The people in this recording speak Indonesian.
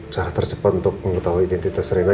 cara tercepat untuk mengetahui identitas rena